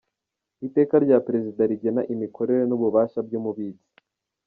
Iteka rya Perezida rigena imikorere n‟ububasha by‟Umubitsi